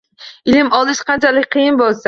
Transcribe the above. Ilm olish qanchalik qiyin bo‘lsa